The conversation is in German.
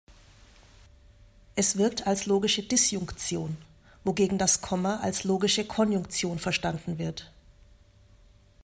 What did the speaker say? Es wirkt als logische Disjunktion, wogegen das Komma als logische Konjunktion verstanden wird.